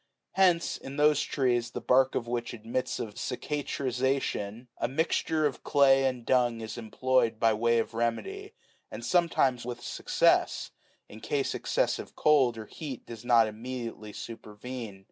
Hence, in those trees the bark of which admits of cicatrization, a mixture of clay and dung13 is employed by way of remedy ; and sometimes with success, in case excessive cold or heat does not immediately supervene.